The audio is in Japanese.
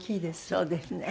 そうですね。